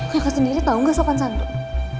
kaka sendiri tau gak sopan santun